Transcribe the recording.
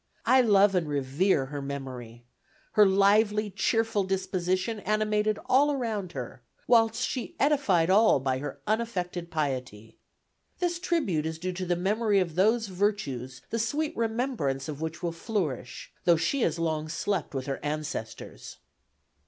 I love and revere her memory; her lively, cheerful disposition animated all around her, whilst she edified all by her unaffected piety. This tribute is due to the memory of those virtues the sweet remembrance of which will flourish, though she has long slept with her ancestors."